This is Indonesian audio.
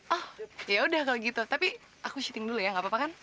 oh ya udah kalau gitu tapi aku syuting dulu ya nggak apa apa kan